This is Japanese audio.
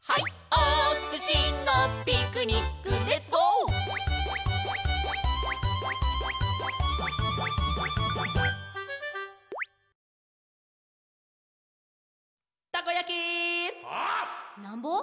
おすしのピクニックレッツゴー！」「たこやき」「なんぼ？」